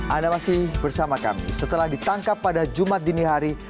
anda masih bersama kami setelah ditangkap pada jumat dini hari